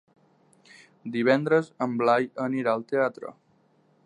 Divendres en Blai anirà al teatre.